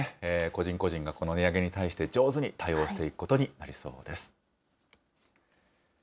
個人個人がこの値上げに対して、上手に対応していくことになりそうです。